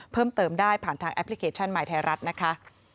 เพิ่มเติมได้ผ่านทางแอปพลิเคชันใหม่ไทยรัฐนะคะ